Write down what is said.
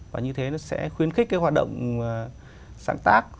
và như thế nó sẽ khuyến khích cái hoạt động sáng tác